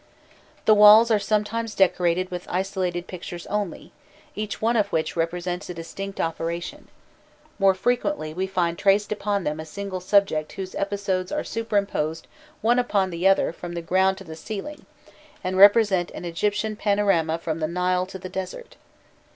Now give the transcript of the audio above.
The walls are sometimes decorated with isolated pictures only, each one of which represents a distinct operation; more frequently we find traced upon them a single subject whose episodes are superimposed one upon the other from the ground to the ceiling, and represent an Egyptian panorama from the Nile to the desert.